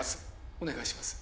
お願いします